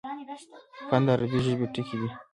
فن: د عربي ژبي ټکی دﺉ.